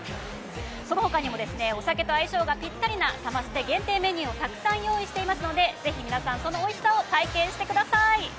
そのほかにもお酒と相性がぴったりなサマステ限定メニューをたくさん用意していますのでぜひ皆さんそのおいしさを体験してください。